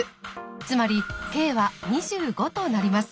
つまりｋは２５となります。